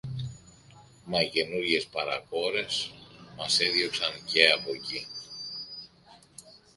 Μα οι καινούριες παρακόρες μας έδιωξαν και από κει